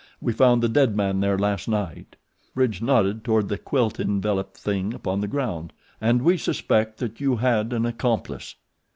We found the dead man there last night;" Bridge nodded toward the quilt enveloped thing upon the ground; "and we suspect that you had an accomplice."